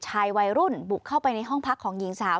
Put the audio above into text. วัยรุ่นบุกเข้าไปในห้องพักของหญิงสาว